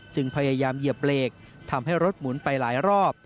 พยายามเหยียบเบรกทำให้รถหมุนไปหลายรอบ